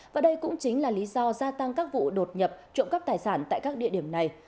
và đây cũng chính là lý do gia tăng các vụ đột nhập trộm cắp tài sản tại các địa điểm này